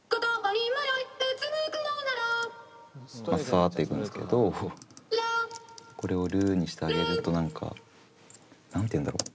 サッていくんですけどこれを「る」にしてあげると何か何て言うんだろう。